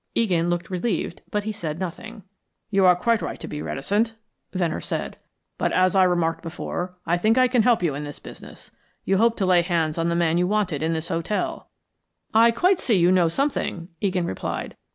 Egan looked relieved, but he said nothing. "You are quite right to be reticent," Venner said. "But, as I remarked before, I think I can help you in this business. You hoped to lay hands on the man you wanted in this hotel." "I quite see you know something," Egan replied.